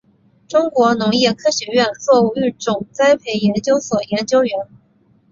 中国农业科学院作物育种栽培研究所研究员。